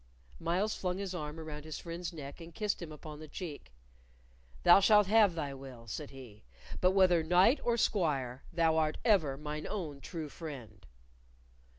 Myles flung his arm around his friend's neck, and kissed him upon the cheek. "Thou shalt have thy will," said he; "but whether knight or squire, thou art ever mine own true friend."